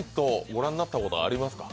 ご覧になったことありますか？